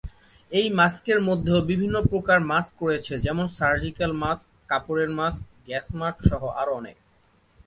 এই মাস্ক এর মধ্যেও বিভিন্ন প্রকার মাস্ক রয়েছে যেমন সার্জিক্যাল মাস্ক, কাপড়ের মাক্স এবং গ্যাস মাস্ক সহ আরও অনেক।